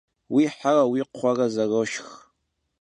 Yi here yi kxhuere zeroşşx.